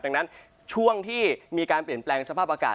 ดังนั้นช่วงที่มีการเปลี่ยนแปลงสภาพอากาศ